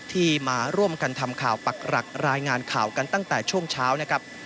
ที่มาร่วมกันทำข่าวปักหลักรายงานข่าวกันตั้งแต่ช่วงเช้านะครับ